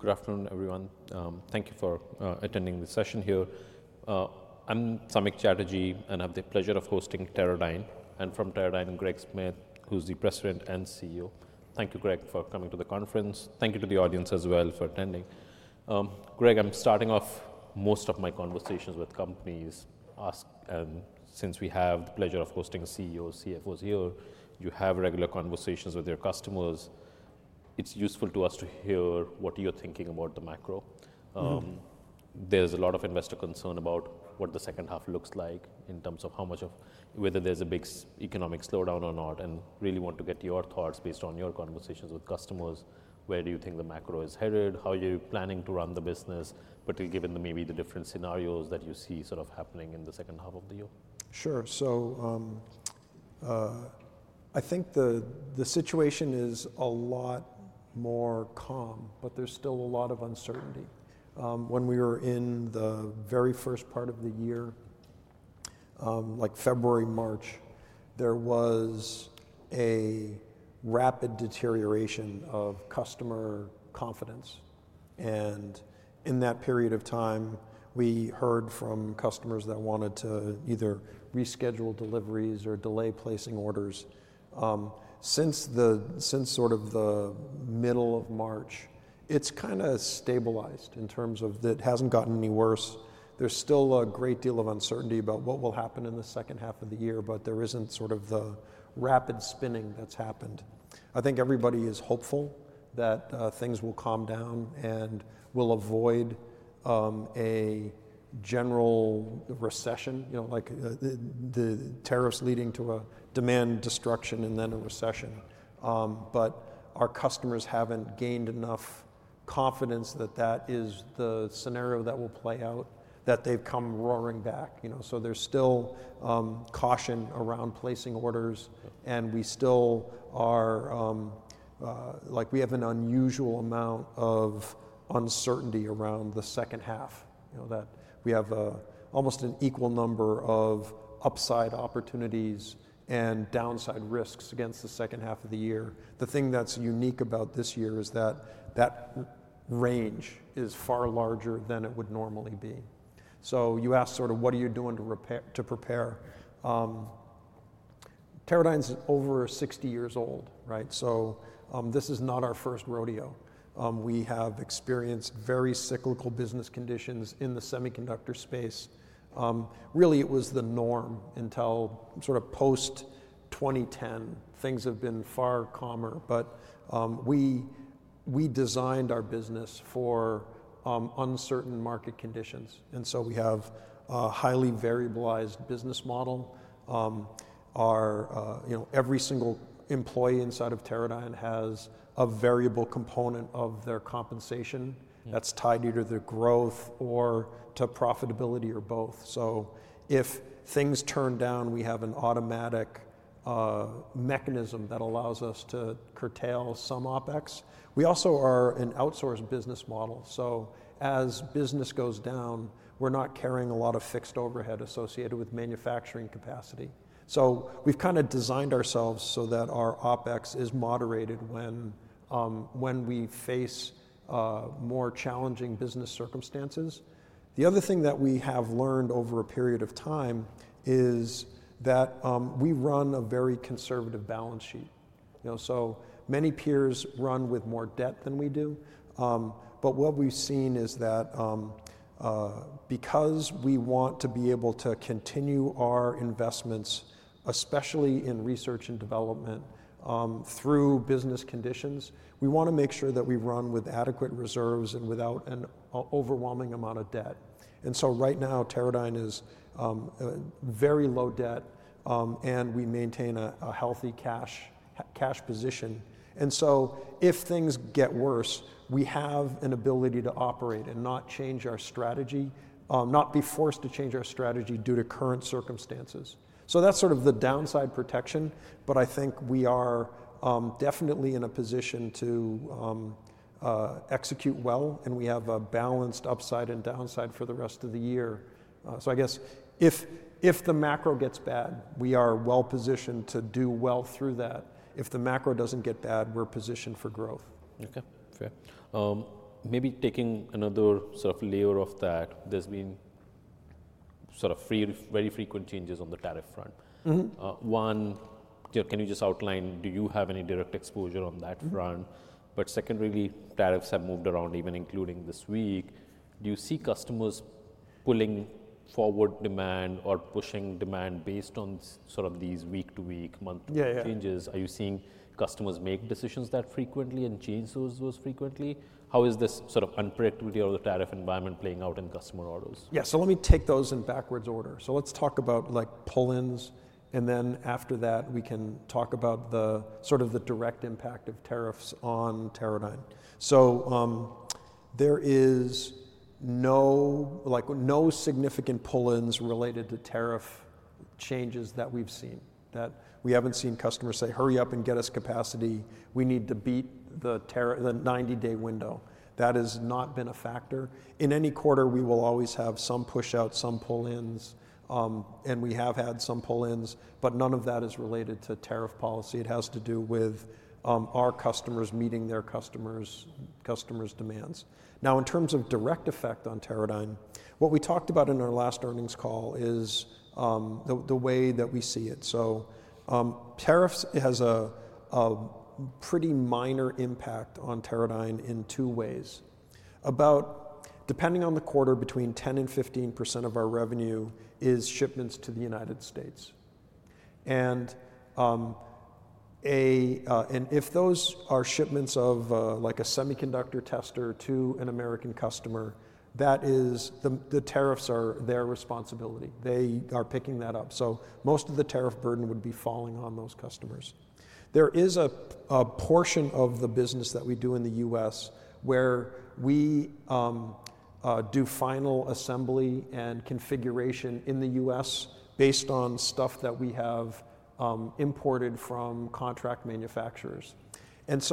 Good afternoon, everyone. Thank you for attending the session here. I'm Samik Chatterjee, and I have the pleasure of hosting Teradyne. And from Teradyne, Greg Smith, who's the President and CEO. Thank you, Greg, for coming to the conference. Thank you to the audience as well for attending. Greg, I'm starting off most of my conversations with companies asked, and since we have the pleasure of hosting CEOs, CFOs here, you have regular conversations with your customers. It's useful to us to hear what you're thinking about the macro. Mm-hmm. There's a lot of investor concern about what the second half looks like in terms of how much of whether there's a big economic slowdown or not. I really want to get your thoughts based on your conversations with customers. Where do you think the macro is headed? How are you planning to run the business? Particularly given maybe the different scenarios that you see sort of happening in the second half of the year. Sure. I think the situation is a lot more calm, but there's still a lot of uncertainty. When we were in the very first part of the year, like February, March, there was a rapid deterioration of customer confidence. In that period of time, we heard from customers that wanted to either reschedule deliveries or delay placing orders. Since sort of the middle of March, it's kind of stabilized in terms of that, it hasn't gotten any worse. There's still a great deal of uncertainty about what will happen in the second half of the year, but there isn't the rapid spinning that's happened. I think everybody is hopeful that things will calm down and we'll avoid a general recession, you know, like the tariffs leading to a demand destruction and then a recession. but our customers haven't gained enough confidence that that is the scenario that will play out, that they've come roaring back, you know. So there's still, caution around placing orders, and we still are, like we have an unusual amount of uncertainty around the second half, you know, that we have, almost an equal number of upside opportunities and downside risks against the second half of the year. The thing that's unique about this year is that that range is far larger than it would normally be. So you asked sort of what are you doing to repair, to prepare. Teradyne's over 60 years old, right? So, this is not our first rodeo. we have experienced very cyclical business conditions in the semiconductor space. really, it was the norm until sort of post-2010. Things have been far calmer, but, we, we designed our business for, uncertain market conditions. We have a highly variabilized business model. Our, you know, every single employee inside of Teradyne has a variable component of their compensation that's tied either to their growth or to profitability or both. If things turn down, we have an automatic mechanism that allows us to curtail some OpEx. We also are an outsourced business model. As business goes down, we're not carrying a lot of fixed overhead associated with manufacturing capacity. We have kinda designed ourselves so that our OpEx is moderated when we face more challenging business circumstances. The other thing that we have learned over a period of time is that we run a very conservative balance sheet, you know. So many peers run with more debt than we do. What we've seen is that, because we want to be able to continue our investments, especially in research and development, through business conditions, we want to make sure that we run with adequate reserves and without an overwhelming amount of debt. Right now, Teradyne is very low debt, and we maintain a healthy cash position. If things get worse, we have an ability to operate and not change our strategy, not be forced to change our strategy due to current circumstances. That is sort of the downside protection, but I think we are definitely in a position to execute well, and we have a balanced upside and downside for the rest of the year. I guess if the macro gets bad, we are well positioned to do well through that. If the macro does not get bad, we are positioned for growth. Okay. Fair. Maybe taking another sort of layer of that, there's been sort of very, very frequent changes on the tariff front. Mm-hmm. One, can you just outline, do you have any direct exposure on that front? Mm-hmm. Secondarily, tariffs have moved around, even including this week. Do you see customers pulling forward demand or pushing demand based on sort of these week-to-week, month-to-month changes? Yeah, yeah. Are you seeing customers make decisions that frequently and change those frequently? How is this sort of unpredictability of the tariff environment playing out in customer orders? Yeah. Let me take those in backwards order. Let's talk about, like, pull-ins, and then after that, we can talk about the sort of the direct impact of tariffs on Teradyne. There is no, like, no significant pull-ins related to tariff changes that we've seen, that we haven't seen customers say, "Hurry up and get us capacity. We need to beat the tariff, the 90-day window." That has not been a factor. In any quarter, we will always have some push-outs, some pull-ins, and we have had some pull-ins, but none of that is related to tariff policy. It has to do with our customers meeting their customers' demands. Now, in terms of direct effect on Teradyne, what we talked about in our last earnings call is, the way that we see it. Tariffs have a pretty minor impact on Teradyne in two ways. Depending on the quarter, between 10%-15% of our revenue is shipments to the United States. If those are shipments of, like, a semiconductor tester to an American customer, the tariffs are their responsibility. They are picking that up. Most of the tariff burden would be falling on those customers. There is a portion of the business that we do in the U.S. where we do final assembly and configuration in the U.S. based on stuff that we have imported from contract manufacturers.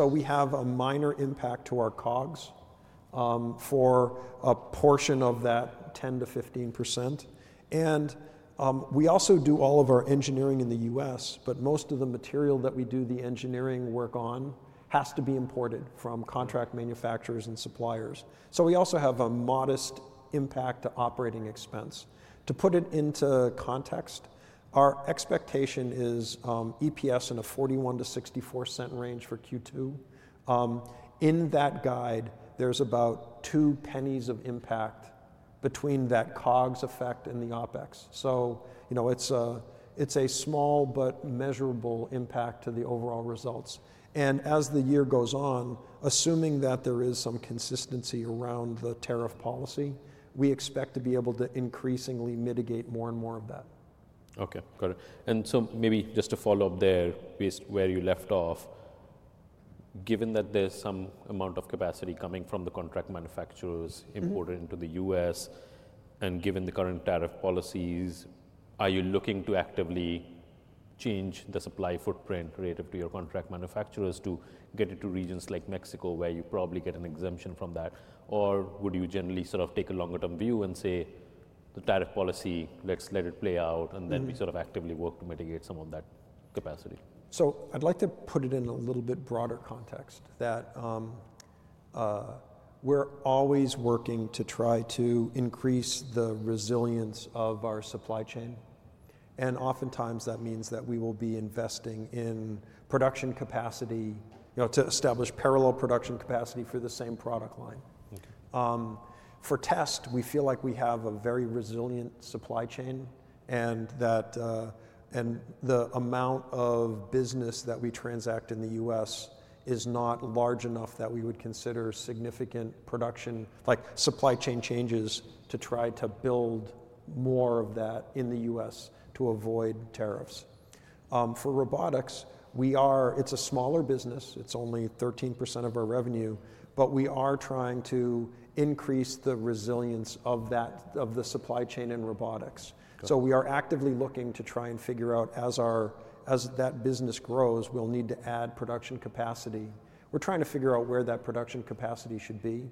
We have a minor impact to our COGS for a portion of that 10%-15%. We also do all of our engineering in the U.S., but most of the material that we do the engineering work on has to be imported from contract manufacturers and suppliers. We also have a modest impact to operating expense. To put it into context, our expectation is EPS in a $0.41-$0.64 range for Q2. In that guide, there is about two cents of impact between that COGS effect and the OpEx. You know, it is a small but measurable impact to the overall results. As the year goes on, assuming that there is some consistency around the tariff policy, we expect to be able to increasingly mitigate more and more of that. Okay. Got it. Maybe just to follow up there, based where you left off, given that there's some amount of capacity coming from the contract manufacturers imported into the U.S., and given the current tariff policies, are you looking to actively change the supply footprint relative to your contract manufacturers to get it to regions like Mexico where you probably get an exemption from that? Or would you generally sort of take a longer-term view and say, "The tariff policy, let's let it play out," and then we sort of actively work to mitigate some of that capacity? I'd like to put it in a little bit broader context that, we're always working to try to increase the resilience of our supply chain. And oftentimes that means that we will be investing in production capacity, you know, to establish parallel production capacity for the same product line. Okay. For test, we feel like we have a very resilient supply chain and that, and the amount of business that we transact in the U.S. is not large enough that we would consider significant production, like supply chain changes to try to build more of that in the U.S. to avoid tariffs. For robotics, we are, it's a smaller business. It's only 13% of our revenue, but we are trying to increase the resilience of that, of the supply chain in robotics. Got it. We are actively looking to try and figure out as our, as that business grows, we'll need to add production capacity. We're trying to figure out where that production capacity should be.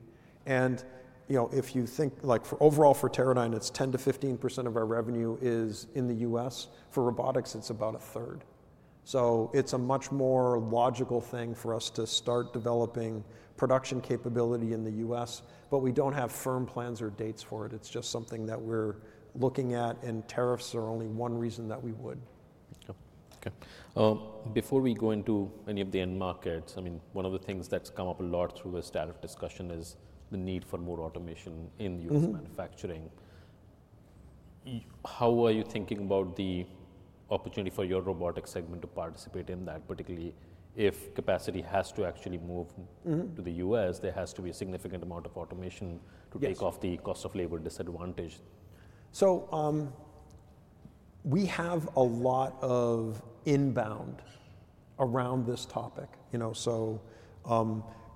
You know, if you think, like for overall for Teradyne, it's 10%-15% of our revenue is in the U.S. For robotics, it's about a third. It's a much more logical thing for us to start developing production capability in the U.S., but we don't have firm plans or dates for it. It's just something that we're looking at, and tariffs are only one reason that we would. Okay. Before we go into any of the end markets, I mean, one of the things that's come up a lot through this tariff discussion is the need for more automation in the U.S. manufacturing. Mm-hmm. How are you thinking about the opportunity for your robotics segment to participate in that, particularly if capacity has to actually move? Mm-hmm. To the U.S., there has to be a significant amount of automation to take off the cost of labor disadvantage. We have a lot of inbound around this topic, you know.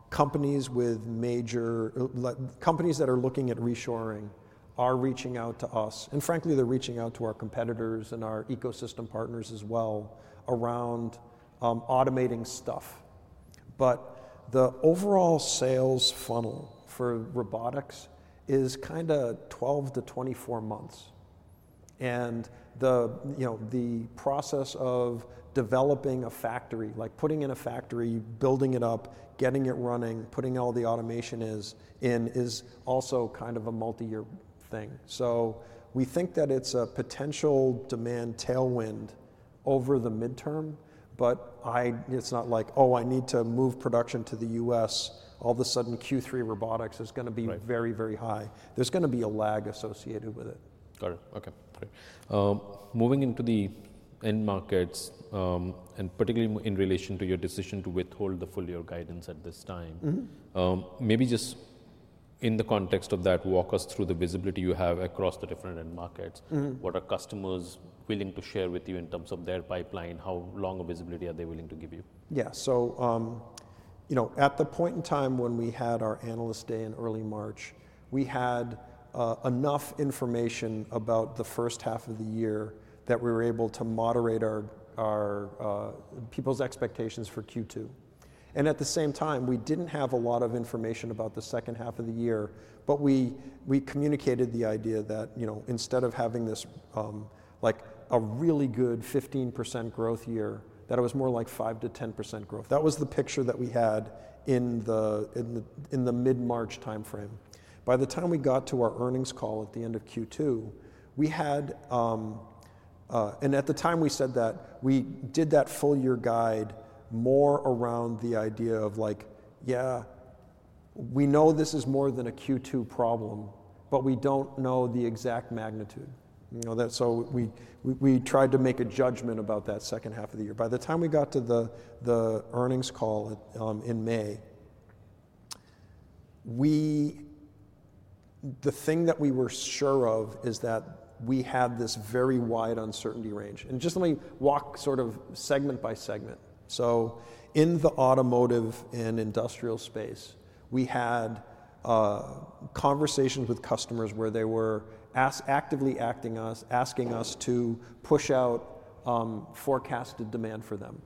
Companies that are looking at reshoring are reaching out to us, and frankly, they're reaching out to our competitors and our ecosystem partners as well around automating stuff. The overall sales funnel for robotics is kind of 12-24 months. The process of developing a factory, like putting in a factory, building it up, getting it running, putting all the automation in, is also kind of a multi-year thing. We think that it's a potential demand tailwind over the midterm, but I, it's not like, "Oh, I need to move production to the U.S." All of a sudden, Q3 robotics is gonna be very, very high. There's gonna be a lag associated with it. Got it. Okay. Great. Moving into the end markets, and particularly in relation to your decision to withhold the full year guidance at this time. Mm-hmm. Maybe just in the context of that, walk us through the visibility you have across the different end markets. Mm-hmm. What are customers willing to share with you in terms of their pipeline? How long of visibility are they willing to give you? Yeah. So, you know, at the point in time when we had our analyst day in early March, we had enough information about the first half of the year that we were able to moderate our people's expectations for Q2. At the same time, we did not have a lot of information about the second half of the year, but we communicated the idea that, you know, instead of having this, like a really good 15% growth year, that it was more like 5%-10% growth. That was the picture that we had in the mid-March timeframe. By the time we got to our earnings call at the end of Q2, we had, and at the time we said that we did that full year guide more around the idea of like, "Yeah, we know this is more than a Q2 problem, but we don't know the exact magnitude." You know, that, so we tried to make a judgment about that second half of the year. By the time we got to the earnings call in May, the thing that we were sure of is that we had this very wide uncertainty range. Just let me walk sort of segment by segment. In the automotive and industrial space, we had conversations with customers where they were actively asking us to push out forecasted demand for them.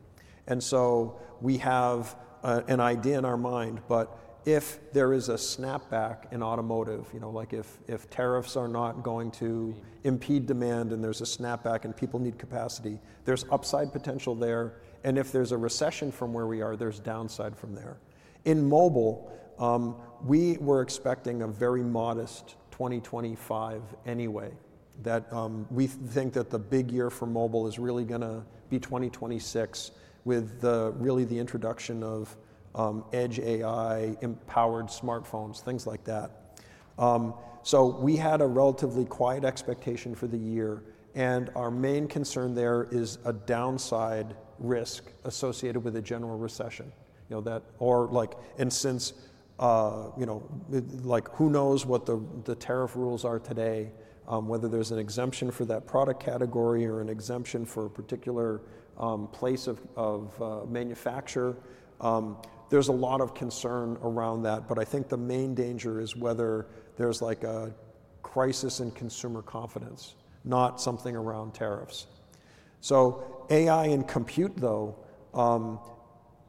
We have an idea in our mind, but if there is a snapback in automotive, you know, like if tariffs are not going to impede demand and there is a snapback and people need capacity, there is upside potential there. If there is a recession from where we are, there is downside from there. In mobile, we were expecting a very modest 2025 anyway. We think that the big year for mobile is really going to be 2026 with the, really the introduction of edge AI, empowered smartphones, things like that. We had a relatively quiet expectation for the year, and our main concern there is a downside risk associated with a general recession, you know, or like, and since, you know, like who knows what the tariff rules are today, whether there's an exemption for that product category or an exemption for a particular place of manufacturer. There's a lot of concern around that, but I think the main danger is whether there's like a crisis in consumer confidence, not something around tariffs. AI and compute though,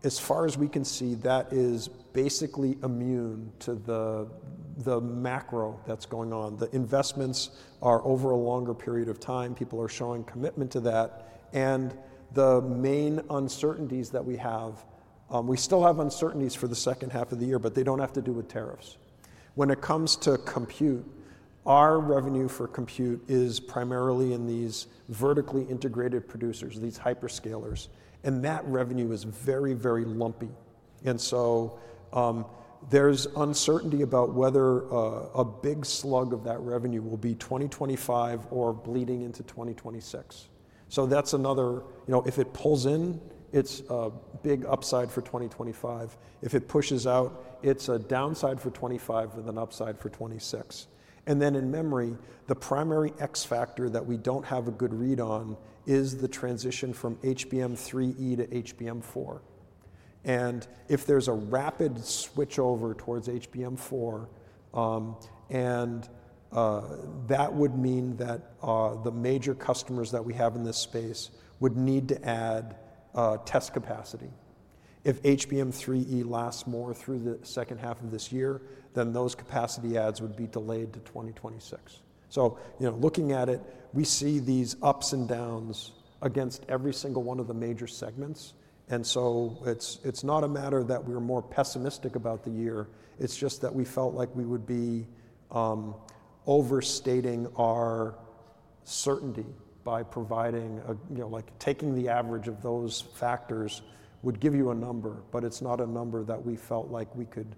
as far as we can see, that is basically immune to the macro that's going on. The investments are over a longer period of time. People are showing commitment to that. The main uncertainties that we have, we still have uncertainties for the second half of the year, but they don't have to do with tariffs. When it comes to compute, our revenue for compute is primarily in these vertically integrated producers, these hyperscalers, and that revenue is very, very lumpy. There is uncertainty about whether a big slug of that revenue will be 2025 or bleeding into 2026. That is another, you know, if it pulls in, it is a big upside for 2025. If it pushes out, it is a downside for 2025 with an upside for 2026. In memory, the primary X factor that we do not have a good read on is the transition from HBM3e to HBM4. If there is a rapid switchover towards HBM4, that would mean that the major customers that we have in this space would need to add test capacity. If HBM3e lasts more through the second half of this year, then those capacity adds would be delayed to 2026. You know, looking at it, we see these ups and downs against every single one of the major segments. It is not a matter that we are more pessimistic about the year. It is just that we felt like we would be overstating our certainty by providing a, you know, like taking the average of those factors would give you a number, but it is not a number that we felt like we could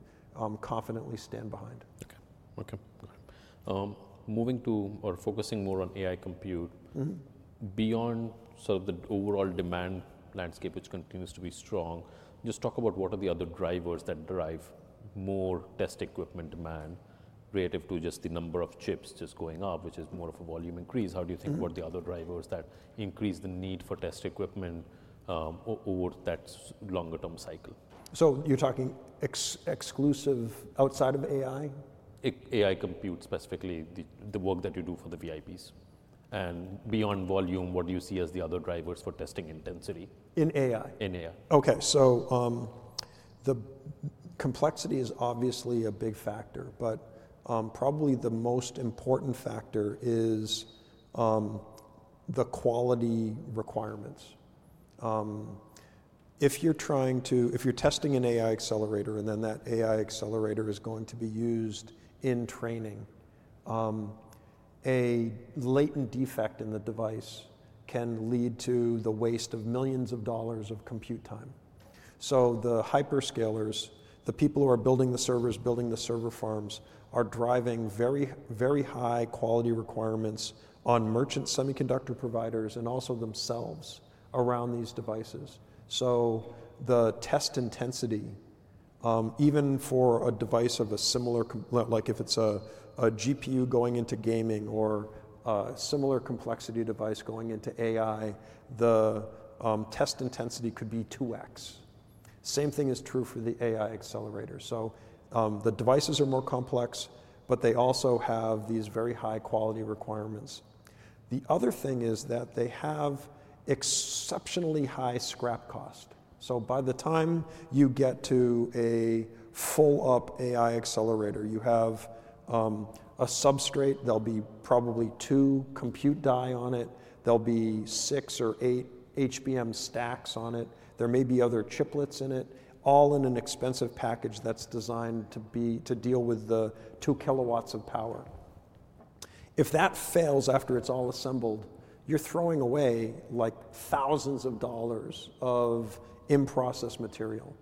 confidently stand behind. Okay. Okay. Moving to, or focusing more on AI compute. Mm-hmm. Beyond sort of the overall demand landscape, which continues to be strong, just talk about what are the other drivers that drive more test equipment demand relative to just the number of chips just going up, which is more of a volume increase. How do you think what the other drivers that increase the need for test equipment, over that longer-term cycle? So you're talking exclusive outside of AI? AI compute specifically, the work that you do for the VIPs. Beyond volume, what do you see as the other drivers for testing intensity? In AI? In AI. Okay. The complexity is obviously a big factor, but probably the most important factor is the quality requirements. If you're trying to, if you're testing an AI accelerator and then that AI accelerator is going to be used in training, a latent defect in the device can lead to the waste of millions of dollars of compute time. The hyperscalers, the people who are building the servers, building the server farms, are driving very, very high quality requirements on merchant semiconductor providers and also themselves around these devices. The test intensity, even for a device of a similar comp, like if it's a GPU going into gaming or a similar complexity device going into AI, the test intensity could be 2X. Same thing is true for the AI accelerator. The devices are more complex, but they also have these very high quality requirements. The other thing is that they have exceptionally high scrap cost. By the time you get to a full-up AI accelerator, you have a substrate, there'll be probably two compute die on it, there'll be six or eight HBM stacks on it, there may be other chiplets in it, all in an expensive package that's designed to deal with the 2 kilowatts of power. If that fails after it's all assembled, you're throwing away like thousands of dollars of in-process material.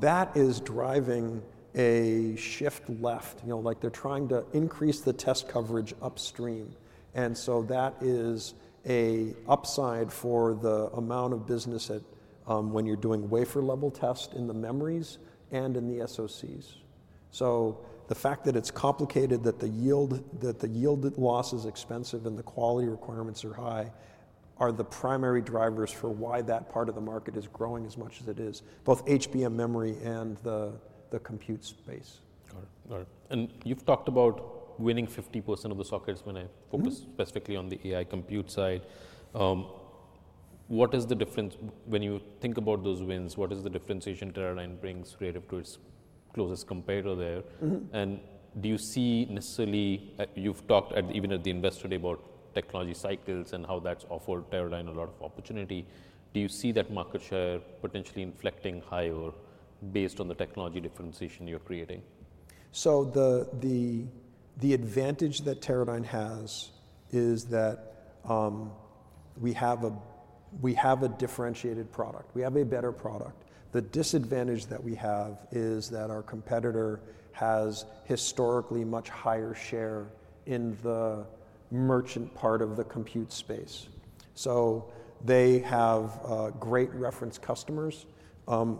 That is driving a shift left, you know, like they're trying to increase the test coverage upstream. That is an upside for the amount of business at, when you're doing wafer level test in the memories and in the SoCs. The fact that it's complicated, that the yield loss is expensive and the quality requirements are high are the primary drivers for why that part of the market is growing as much as it is, both HBM memory and the compute space. Got it. All right. You've talked about winning 50% of the sockets. When I focus specifically on the AI compute side, what is the difference when you think about those wins? What is the differentiation Teradyne brings relative to its closest competitor there? Mm-hmm. Do you see necessarily, you've talked at, even at the investor day about technology cycles and how that's offered Teradyne a lot of opportunity. Do you see that market share potentially inflecting higher based on the technology differentiation you're creating? The advantage that Teradyne has is that we have a differentiated product. We have a better product. The disadvantage that we have is that our competitor has historically much higher share in the merchant part of the compute space. They have great reference customers.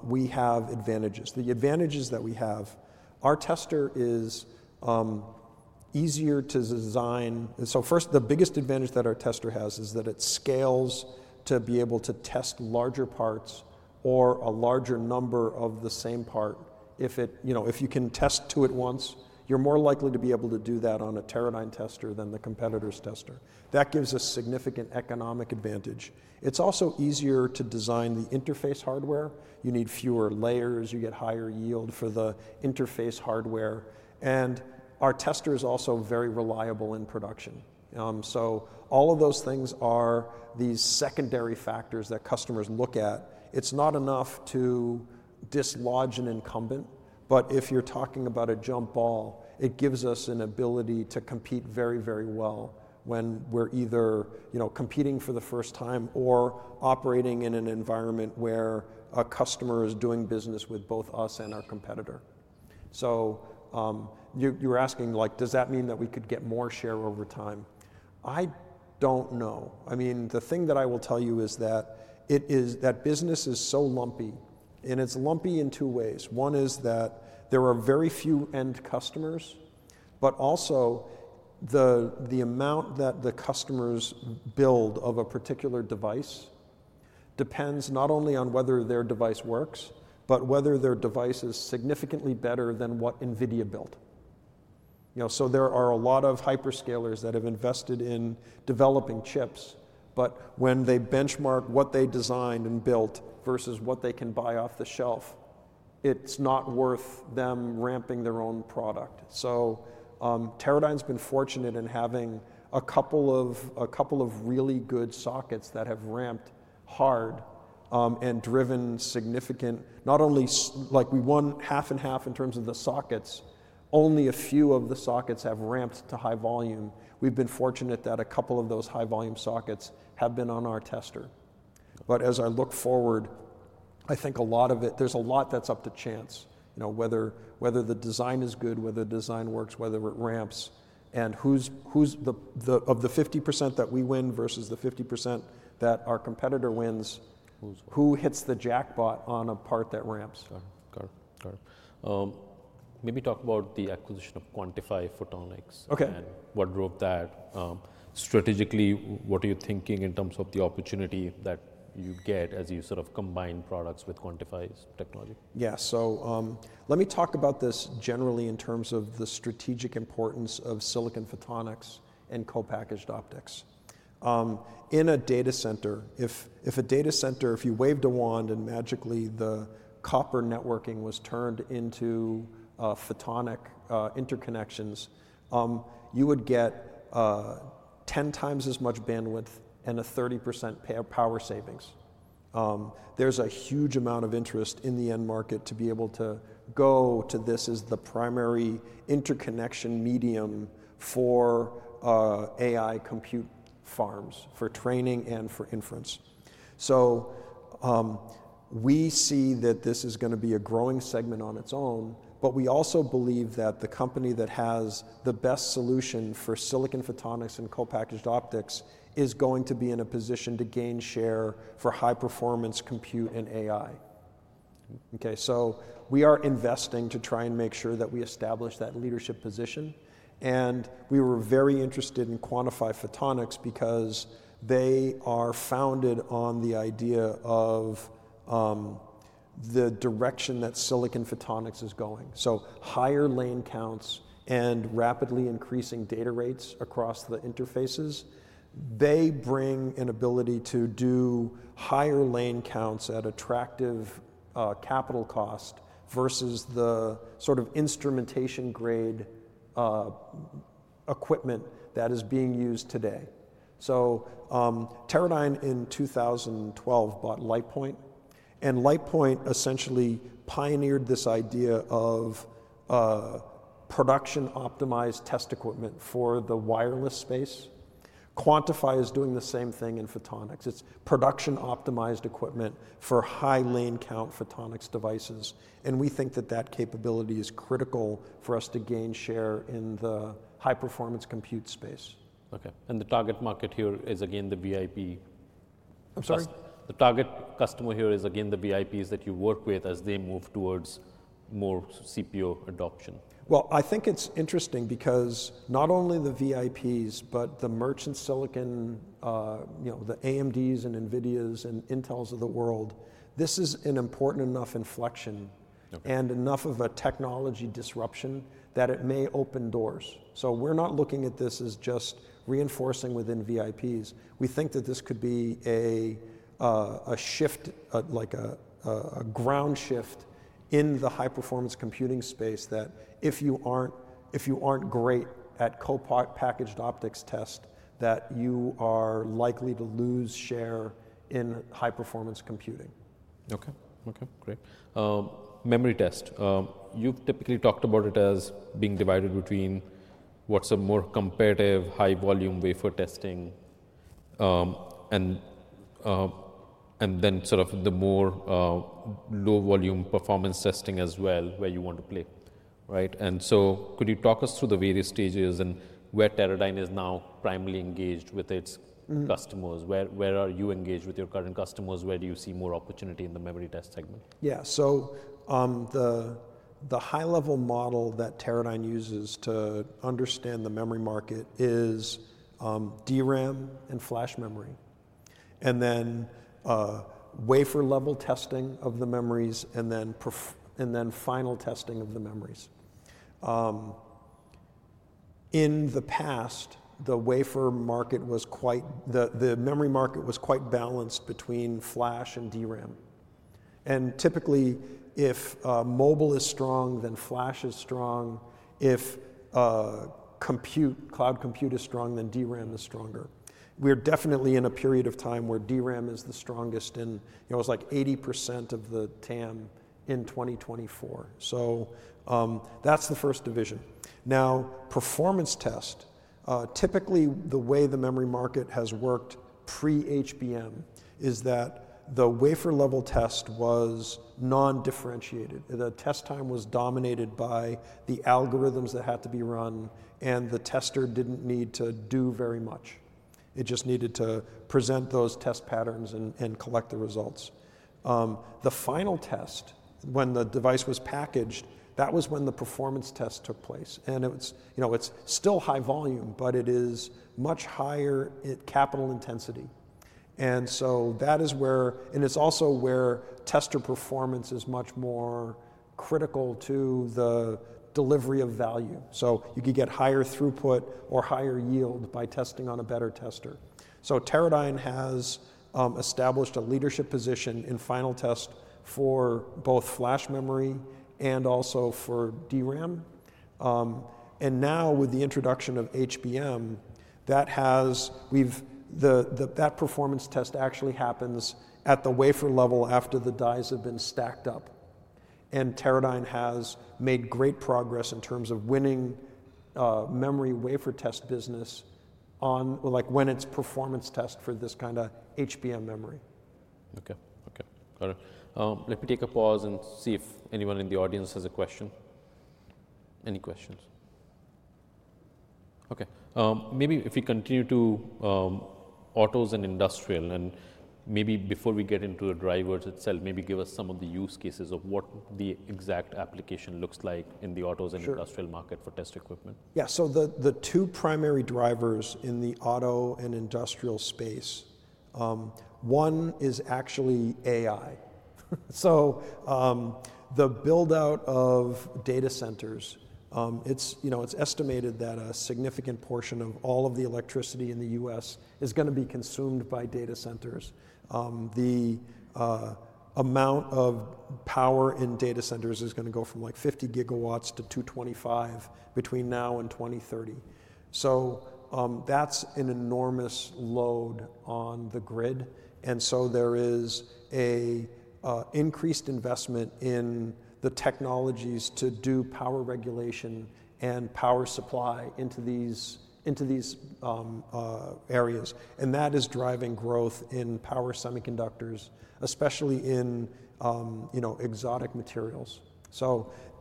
We have advantages. The advantages that we have, our tester is easier to design. First, the biggest advantage that our tester has is that it scales to be able to test larger parts or a larger number of the same part. If you can test to it once, you're more likely to be able to do that on a Teradyne tester than the competitor's tester. That gives a significant economic advantage. It's also easier to design the interface hardware. You need fewer layers. You get higher yield for the interface hardware. Our tester is also very reliable in production. All of those things are these secondary factors that customers look at. It is not enough to dislodge an incumbent, but if you are talking about a jump ball, it gives us an ability to compete very, very well when we are either, you know, competing for the first time or operating in an environment where a customer is doing business with both us and our competitor. You were asking like, does that mean that we could get more share over time? I do not know. I mean, the thing that I will tell you is that business is so lumpy, and it is lumpy in two ways. One is that there are very few end customers, but also the amount that the customers build of a particular device depends not only on whether their device works, but whether their device is significantly better than what NVIDIA built. You know, there are a lot of hyperscalers that have invested in developing chips, but when they benchmark what they designed and built versus what they can buy off the shelf, it's not worth them ramping their own product. Teradyne's been fortunate in having a couple of really good sockets that have ramped hard, and driven significant, not only like we won half and half in terms of the sockets, only a few of the sockets have ramped to high volume. We've been fortunate that a couple of those high volume sockets have been on our tester. As I look forward, I think a lot of it, there's a lot that's up to chance, you know, whether the design is good, whether the design works, whether it ramps, and who's the, of the 50% that we win versus the 50% that our competitor wins, who hits the jackpot on a part that ramps. Got it. Maybe talk about the acquisition of Quantify Photonics. Okay. What drove that? Strategically, what are you thinking in terms of the opportunity that you get as you sort of combine products with Quantify's technology? Yeah. Let me talk about this generally in terms of the strategic importance of silicon photonics and co-packaged optics. In a data center, if you waved a wand and magically the copper networking was turned into photonic interconnections, you would get 10x as much bandwidth and a 30% power savings. There is a huge amount of interest in the end market to be able to go to this as the primary interconnection medium for AI compute farms for training and for inference. We see that this is gonna be a growing segment on its own, but we also believe that the company that has the best solution for silicon photonics and co-packaged optics is going to be in a position to gain share for high performance compute and AI. Okay. We are investing to try and make sure that we establish that leadership position. We were very interested in Quantify Photonics because they are founded on the idea of the direction that silicon photonics is going. Higher lane counts and rapidly increasing data rates across the interfaces, they bring an ability to do higher lane counts at attractive capital cost versus the sort of instrumentation grade equipment that is being used today. Teradyne in 2012 bought LightPoint, and LightPoint essentially pioneered this idea of production optimized test equipment for the wireless space. Quantify is doing the same thing in photonics. It is production optimized equipment for high lane count photonics devices. We think that that capability is critical for us to gain share in the high performance compute space. Okay. The target market here is again the VIP? I'm sorry? The target customer here is again the VIPs that you work with as they move towards more CPO adoption. I think it's interesting because not only the VIPs, but the merchant silicon, you know, the AMDs and NVIDIAs and Intels of the world, this is an important enough inflection and enough of a technology disruption that it may open doors. We are not looking at this as just reinforcing within VIPs. We think that this could be a shift, like a ground shift in the high performance computing space that if you aren't, if you aren't great at co-packaged optics test, that you are likely to lose share in high performance computing. Okay. Okay. Great. Memory test. You've typically talked about it as being divided between what's a more competitive high volume wafer testing, and then sort of the more low volume performance testing as well where you want to play. Right? Could you talk us through the various stages and where Teradyne is now primarily engaged with its customers? Where are you engaged with your current customers? Where do you see more opportunity in the memory test segment? Yeah. The high level model that Teradyne uses to understand the memory market is DRAM and flash memory, and then wafer level testing of the memories and then perf, and then final testing of the memories. In the past, the memory market was quite balanced between flash and DRAM. Typically, if mobile is strong, then flash is strong. If compute, cloud compute is strong, then DRAM is stronger. We are definitely in a period of time where DRAM is the strongest in, it was like 80% of the TAM in 2024. That is the first division. Now, performance test, typically the way the memory market has worked pre-HBM is that the wafer level test was non-differentiated. The test time was dominated by the algorithms that had to be run and the tester did not need to do very much. It just needed to present those test patterns and collect the results. The final test, when the device was packaged, that was when the performance test took place. It was, you know, it's still high volume, but it is much higher in capital intensity. That is where, and it's also where tester performance is much more critical to the delivery of value. You could get higher throughput or higher yield by testing on a better tester. Teradyne has established a leadership position in final test for both flash memory and also for DRAM. Now with the introduction of HBM, that performance test actually happens at the wafer level after the dies have been stacked up. Teradyne has made great progress in terms of winning memory wafer test business on, like, when it's performance test for this kind of HBM memory. Okay. Okay. Got it. Let me take a pause and see if anyone in the audience has a question. Any questions? Okay. Maybe if we continue to autos and industrial, and maybe before we get into the drivers itself, maybe give us some of the use cases of what the exact application looks like in the autos and industrial market for test equipment. Yeah. So the two primary drivers in the auto and industrial space, one is actually AI. The buildout of data centers, it's, you know, it's estimated that a significant portion of all of the electricity in the U.S. is gonna be consumed by data centers. The amount of power in data centers is gonna go from like 50 gigawatts to 225 between now and 2030. That's an enormous load on the grid. There is an increased investment in the technologies to do power regulation and power supply into these areas. That is driving growth in power semiconductors, especially in, you know, exotic materials.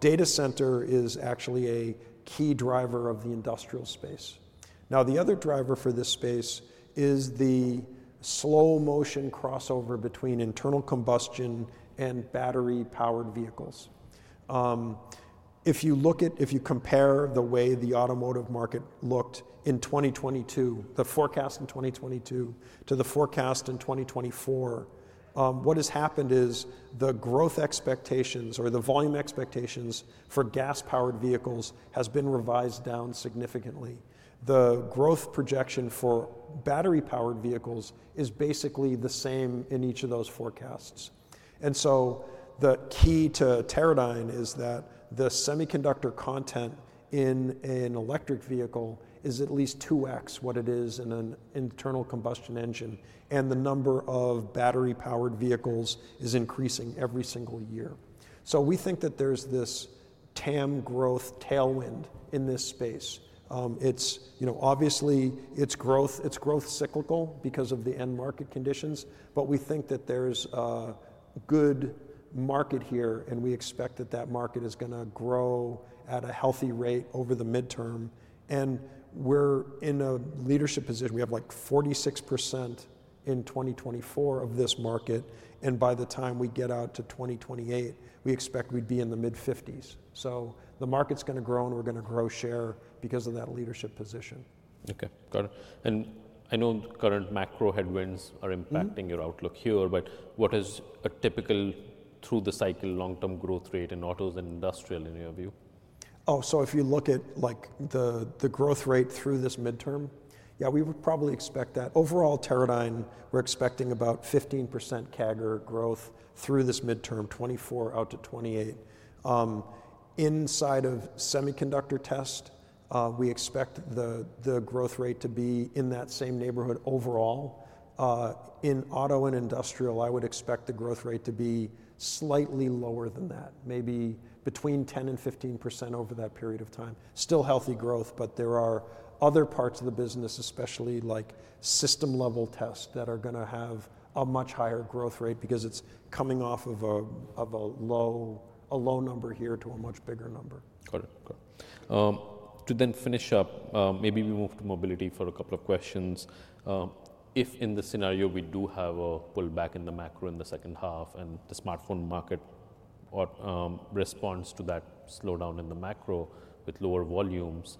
Data center is actually a key driver of the industrial space. Now, the other driver for this space is the slow motion crossover between internal combustion and battery powered vehicles. If you look at, if you compare the way the automotive market looked in 2022, the forecast in 2022 to the forecast in 2024, what has happened is the growth expectations or the volume expectations for gas powered vehicles has been revised down significantly. The growth projection for battery powered vehicles is basically the same in each of those forecasts. The key to Teradyne is that the semiconductor content in an electric vehicle is at least 2x what it is in an internal combustion engine. The number of battery powered vehicles is increasing every single year. We think that there is this TAM growth tailwind in this space. It's, you know, obviously it's growth, it's growth cyclical because of the end market conditions, but we think that there's a good market here and we expect that that market is gonna grow at a healthy rate over the midterm. We're in a leadership position. We have like 46% in 2024 of this market. By the time we get out to 2028, we expect we'd be in the mid-50s. The market's gonna grow and we're gonna grow share because of that leadership position. Okay. Got it. I know current macro headwinds are impacting your outlook here, but what is a typical through the cycle long term growth rate in autos and industrial in your view? Oh, so if you look at like the growth rate through this midterm, yeah, we would probably expect that overall Teradyne, we're expecting about 15% CAGR growth through this midterm, 2024 out to 2028. Inside of semiconductor test, we expect the growth rate to be in that same neighborhood overall. In auto and industrial, I would expect the growth rate to be slightly lower than that, maybe between 10-15% over that period of time. Still healthy growth, but there are other parts of the business, especially like system level tests that are gonna have a much higher growth rate because it's coming off of a low, a low number here to a much bigger number. Got it. Got it. To then finish up, maybe we move to mobility for a couple of questions. If in the scenario we do have a pullback in the macro in the second half and the smartphone market, or, responds to that slowdown in the macro with lower volumes,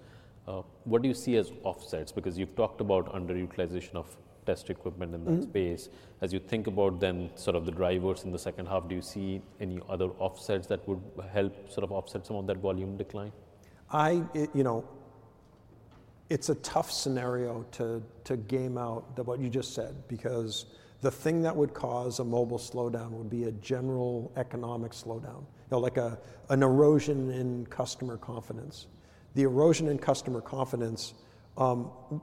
what do you see as offsets? Because you've talked about underutilization of test equipment in that space. As you think about then sort of the drivers in the second half, do you see any other offsets that would help sort of offset some of that volume decline? I, you know, it's a tough scenario to, to game out what you just said because the thing that would cause a mobile slowdown would be a general economic slowdown. You know, like a, an erosion in customer confidence. The erosion in customer confidence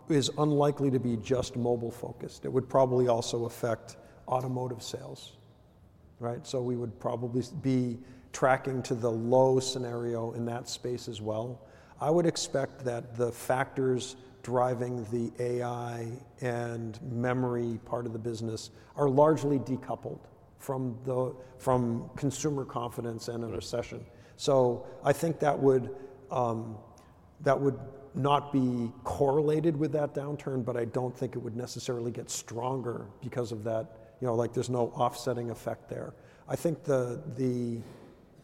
is unlikely to be just mobile focused. It would probably also affect automotive sales. Right? We would probably be tracking to the low scenario in that space as well. I would expect that the factors driving the AI and memory part of the business are largely decoupled from the, from consumer confidence and a recession. I think that would, that would not be correlated with that downturn, but I don't think it would necessarily get stronger because of that, you know, like there's no offsetting effect there. I think the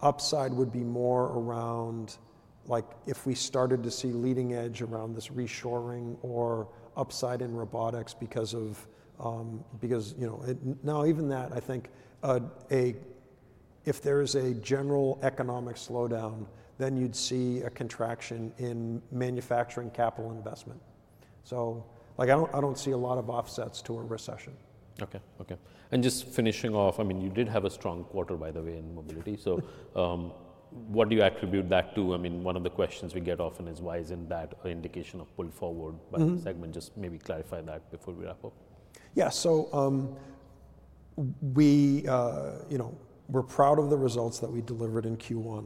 upside would be more around like if we started to see leading edge around this reshoring or upside in robotics because of, you know, now even that I think, if there is a general economic slowdown, then you'd see a contraction in manufacturing capital investment. Like I don't see a lot of offsets to a recession. Okay. Okay. And just finishing off, I mean, you did have a strong quarter by the way in mobility. What do you attribute that to? I mean, one of the questions we get often is why is not that an indication of pull forward by the segment? Just maybe clarify that before we wrap up. Yeah. So, we, you know, we're proud of the results that we delivered in Q1.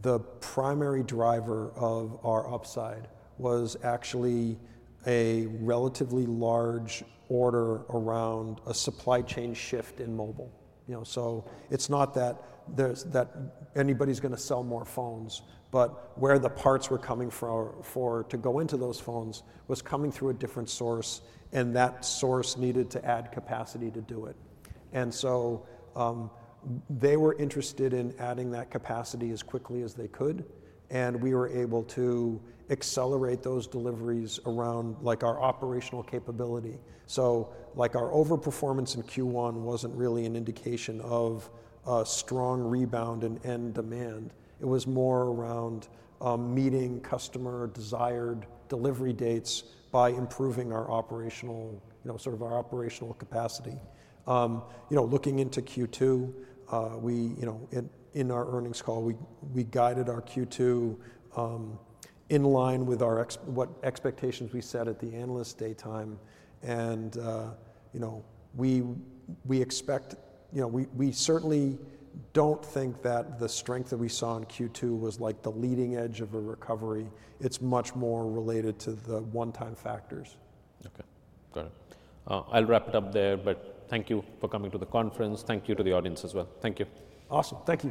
The primary driver of our upside was actually a relatively large order around a supply chain shift in mobile. You know, it's not that anybody's gonna sell more phones, but where the parts were coming from to go into those phones was coming through a different source and that source needed to add capacity to do it. They were interested in adding that capacity as quickly as they could. We were able to accelerate those deliveries around our operational capability. Our overperformance in Q1 wasn't really an indication of a strong rebound in end demand. It was more around meeting customer desired delivery dates by improving our operational, you know, sort of our operational capacity. You know, looking into Q2, we, you know, in our earnings call, we guided our Q2 in line with our expectations we set at the analyst day time. And, you know, we expect, you know, we certainly don't think that the strength that we saw in Q2 was like the leading edge of a recovery. It's much more related to the one time factors. Okay. Got it. I'll wrap it up there, but thank you for coming to the conference. Thank you to the audience as well. Thank you. Awesome. Thank you.